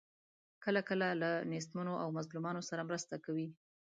کله کله له نیستمنو او مظلومانو سره مرسته کوي.